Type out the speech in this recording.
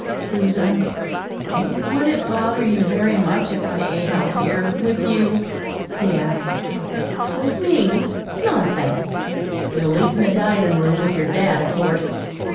"Susan, would it bother you very much if I ate out here with you?" he asked. "With me? Nonsense! You'll eat in the dinin' room with your dad, of course.